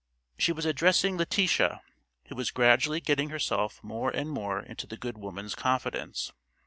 She was addressing Letitia, who was gradually getting herself more and more into the good woman's confidence.